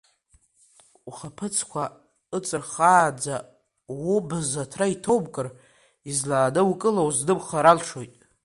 Ухаԥыцқәа ыҵырхаанӡа убз аҭра иҭоумкыр, излаанукыло узнымхар алшоит.